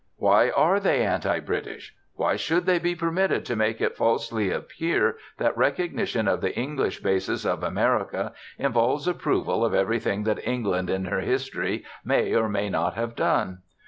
Why are they anti British? Why should they be permitted to make it falsely appear that recognition of the English basis of America involves approval of everything that England in her history may or may not have done?